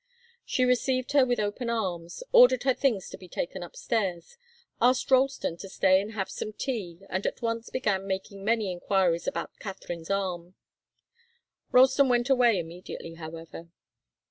She received her with open arms, ordered her things to be taken upstairs, asked Ralston to stay and have some tea, and at once began making many enquiries about Katharine's arm. Ralston went away immediately, however.